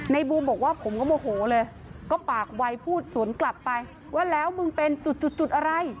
บูมบอกว่าผมก็โมโหเลยก็ปากวัยพูดสวนกลับไปว่าแล้วมึงเป็นจุดจุดอะไร